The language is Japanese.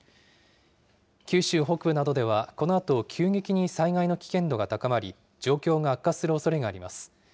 九州北部などではこのあと急激に災害の危険度が高まり、状況が悪化するおそれがあります。